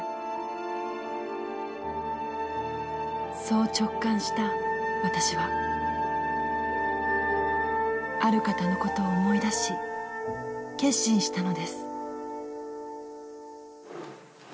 そう直感した私はある方のことを思い出し決心したのです。